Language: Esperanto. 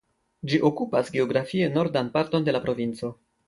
Ĝi okupas geografie nordan parton de la provinco.